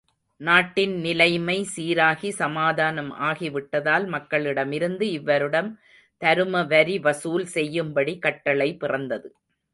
நாட்டின் நிலைமை சீராகி, சமாதானம் ஆகி விட்டதால், மக்களிடமிருந்து இவ்வருடம் தரும வரி வசூல் செய்யும்படி கட்டளை பிறந்தது.